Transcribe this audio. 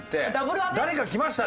誰か来ました！」